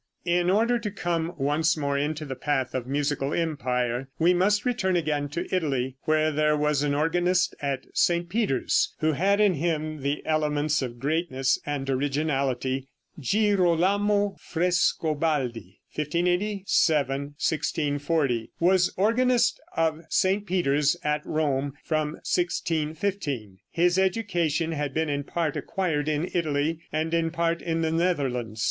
In order to come once more into the path of musical empire, we must return again to Italy, where there was an organist at St. Peter's, who had in him the elements of greatness and originality. Girolamo Frescobaldi (1587 1640) was organist of St. Peter's at Rome from 1615. His education had been in part acquired in Italy, and in part in the Netherlands.